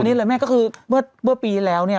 อันนี้แหละแม่ก็คือเมื่อปีที่แล้ว